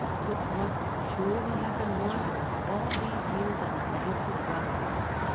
Cook must surely have been wandering all these years on the banks of Granta.